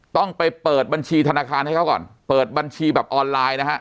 ต้องไปเปิดบัญชีธนาคารให้เขาก่อนเปิดบัญชีแบบออนไลน์นะฮะ